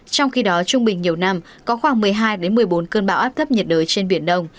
trong khi đó trung bình nhiều năm có khoảng một mươi hai một mươi bốn cơn bão áp thấp nhiệt đới trên biển đông